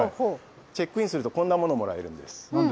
チェックインするとこんなものもらえるんです。